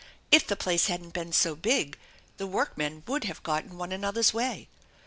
If the place hadn't been so big, the workmen would have got in one another's way.